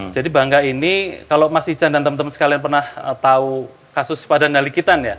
jadi bangga ini kalau mas ijan dan teman teman sekalian pernah tahu kasus sipadan nalikitan ya